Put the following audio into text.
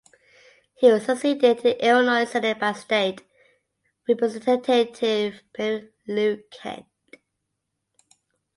He was succeeded in the Illinois Senate by State Representative Mary Lou Kent.